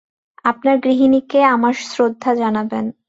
আপনার গৃহিণীকে আমার শ্রদ্ধা জানাবেন।